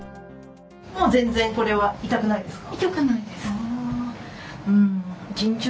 もう全然これは痛くないですか？